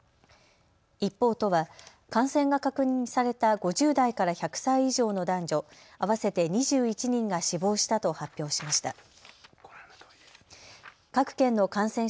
一方、都は感染が確認された５０代から１００歳以上の男女合わせて２１人が死亡したと発表しました。